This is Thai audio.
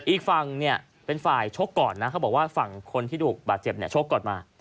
อีกฝั่งเนี่ยเป็นฝ่ายชกก่อนนะเขาบอกว่าฝั่งคนที่ถูกบาดเจ็บเนี่ยชกก่อนมา